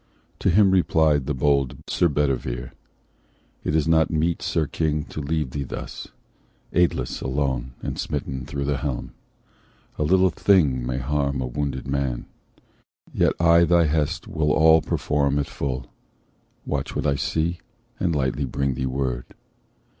To him replied the bold Sir Bedivere: "It is not meet, Sir King, to leave thee thus, Aidless, alone, and smitten through the helm— A little thing may harm a wounded man; Yet I thy hest will all perform at full, Watch what I see, and lightly bring thee word."